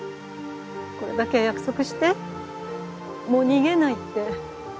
これだけは約束してもう逃げないって。